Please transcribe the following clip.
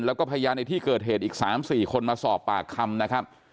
แล้วก็พยานในที่เกิดเหตุอีก๓๔คนมาสอบปากคำนะครับ